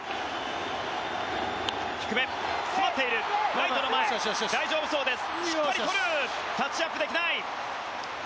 ライトの前大丈夫そうです。